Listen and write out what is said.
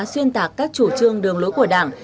xuyên tạc các chủ trương đường lối của đảng